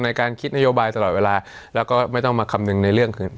ในการคิดนโยบายตลอดเวลาแล้วก็ไม่ต้องมาคำนึงในเรื่องของ